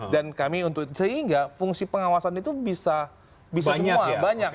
dan kami untuk itu sehingga fungsi pengawasan itu bisa semua banyak